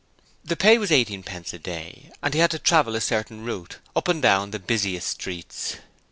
The pay was eighteenpence a day, and he had to travel a certain route, up and down the busiest streets.